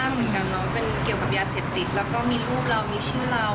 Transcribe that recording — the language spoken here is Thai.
มันเกี่ยวกับยาเสพติดแล้วก็มีรูปเรามีชื่อเรา